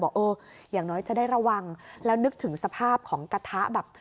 เอออย่างน้อยจะได้ระวังแล้วนึกถึงสภาพของกระทะแบบ